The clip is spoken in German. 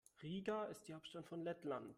Riga ist die Hauptstadt von Lettland.